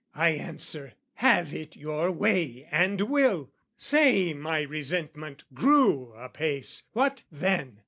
I answer "Have it your way and will!" Say my resentment grew apace: what then?